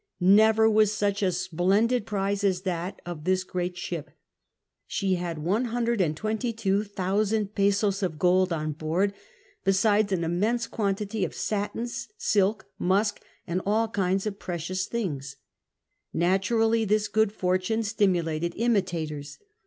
Never was such a splendid prize as that of this great ship. She had 122,000 pesos of gold on board, besides an immense quantity of satins, silk, musk, and all kinds of precious things. Naturally this good fortune stimulated imitators.